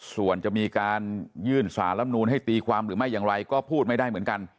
ส่วนจะมีการยื่นสารลำนูนให้ตีความหรือไม่อย่างไรก็พูดไม่ได้เหมือนกัน